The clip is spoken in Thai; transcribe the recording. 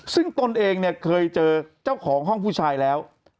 ซึ่งตนเองเนี่ยเคยเจอเจ้าของห้องผู้ชายแล้ว